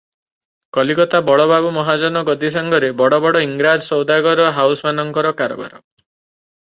କଲିକତା ବଳବାବୁ ମହାଜନ ଗଦି ସାଙ୍ଗରେ ବଡ ବଡ ଇଂରାଜ ସଉଦାଗର ହାଉସମାନଙ୍କର କାରବାର ।